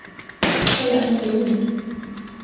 Kolla en melon.